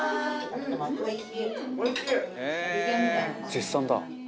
「絶賛だ」